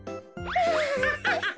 ハハハハ！